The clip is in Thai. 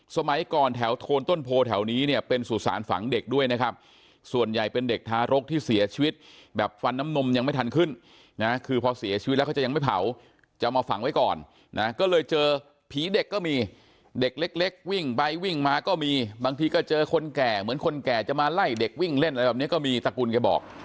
สมัยก่อนแถวโทนต้นโพแถวนี้เนี่ยเป็นสุสานฝังเด็กด้วยนะครับส่วนใหญ่เป็นเด็กทารกที่เสียชีวิตแบบฟันน้ำนมยังไม่ทันขึ้นนะคือพอเสียชีวิตแล้วเขาจะยังไม่เผาจะมาฝังไว้ก่อนนะก็เลยเจอผีเด็กก็มีเด็กเล็กวิ่งไปวิ่งมาก็มีบางทีก็เจอคนแก่เหมือนคนแก่จะมาไล่เด็กวิ่งเล่นอะไรแบบนี้ก็มีตระกูลแกบอก